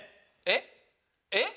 えっえっ？